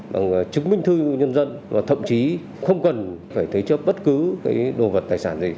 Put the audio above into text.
bằng chứng minh thư nhân dân và thậm chí không cần phải thế chấp bất cứ cái đồ vật tài sản gì